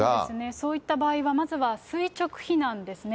そういった場合は、まずは垂直避難ですね。